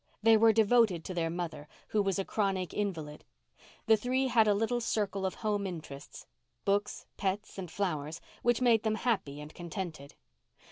They were devoted to their mother, who was a chronic invalid. The three had a little circle of home interests—books and pets and flowers—which made them happy and contented.